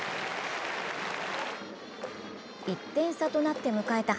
１点差となって迎えた